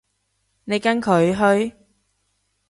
你跟佢去？